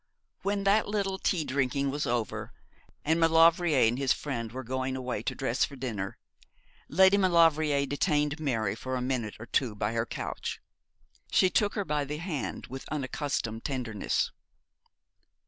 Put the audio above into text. When that little tea drinking was over and Maulevrier and his friend were going away to dress for dinner, Lady Maulevrier detained Mary for a minute or two by her couch. She took her by the hand with unaccustomed tenderness.